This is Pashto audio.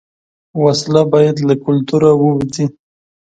وسله باید له کلتوره ووځي